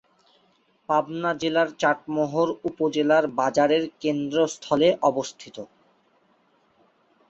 পাবনা জেলার চাটমোহর উপজেলার বাজারের কেন্দ্রস্থলে অবস্থিত।